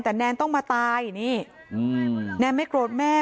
แต่แนนต้องมาตายนี่แนนไม่โกรธแม่